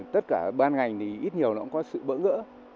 tất cả ban ngành thì ít nhiều nó cũng có sự bỡ ngỡ